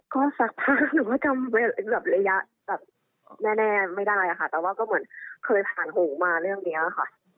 ก็ศักดิ์ภาคหนูก็จำแบบระยะแน่ไม่ได้ค่ะแต่ว่าก็เหมือนเคยผ่านห่วงมาเรื่องนี้ค่ะ